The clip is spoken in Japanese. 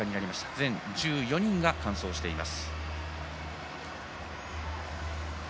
全１４人が完走しています。